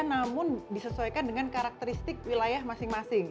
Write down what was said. namun disesuaikan dengan karakteristik wilayah masing masing